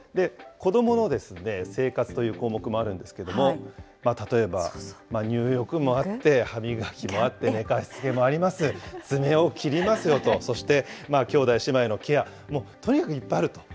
子どもの生活という項目もあるんですけれども、例えば入浴もあって、歯磨きもあって、寝かしつけもあります、爪を切りますよと、そして兄弟姉妹のケア、もうとにかくいっぱいあると。